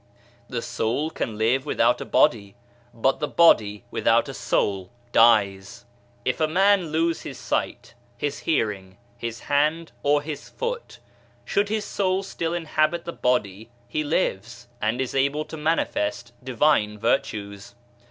The soul can live without a body, but the body without a soul dies. "L' ALLIANCE SPIRITUALISTS " 79 If a man lose his sight, his hearing, his hand or his foot, should his soul still inhabit the body he lives, and is able to manifest divine virtues.